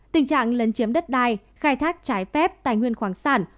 tình trạng lấn chiếm đất đai khai thác trái phép tài nguyên khoáng sản